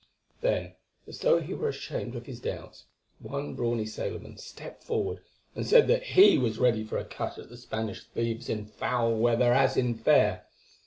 Then, as though he were ashamed of his doubts, one brawny sailorman stepped forward and said that he was ready for a cut at the Spanish thieves in foul weather as in fair.